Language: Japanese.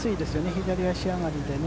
左足上がりでね。